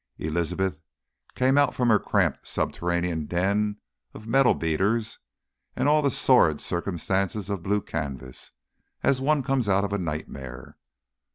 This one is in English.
Elizabeth came out from her cramped subterranean den of metal beaters and all the sordid circumstances of blue canvas, as one comes out of a nightmare.